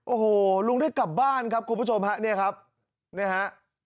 โอ้โหลุงได้กลับบ้านครับคุณผู้ชมฮะเนี่ยครับนะฮะ